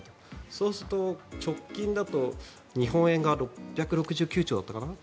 そうすると、直近だと日本円が６６９兆だったかな？